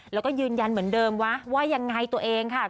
แล้วก็ยืนยันเหมือนเดิมว่าว่ายังไงตัวเองค่ะ